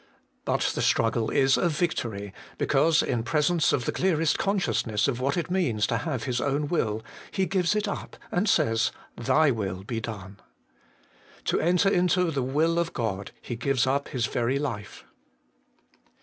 But the struggle is a victory, because in presence of the clearest consciousness of what it means to have His own will, He gives it up, and says, ' Thy will be done.' To enter into the will of God He gives up His very life.